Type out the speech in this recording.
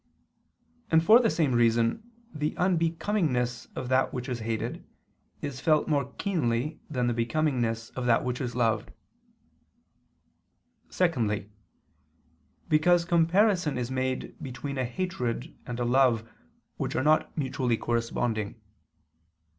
And for the same reason, the unbecomingness of that which is hated is felt more keenly than the becomingness of that which is loved. Secondly, because comparison is made between a hatred and a love which are not mutually corresponding.